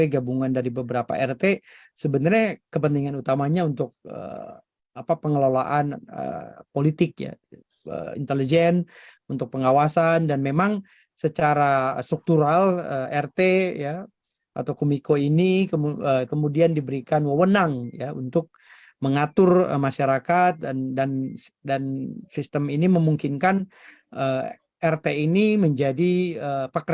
jepang jawa tengah